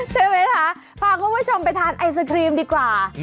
ใช่ไหมคะพาคุณผู้ชมไปทานไอศครีมดีกว่า